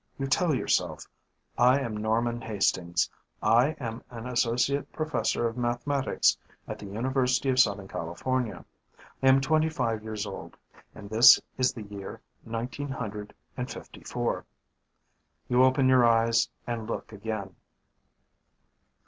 You tell yourself: _I am Norman Hastings. I am an associate professor of mathematics at the University of Southern California. I am twenty five years old, and this is the year nineteen hundred and fifty four._ You open your eyes and look again.